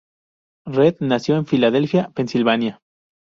Reed nació en Filadelfia, Pensilvania.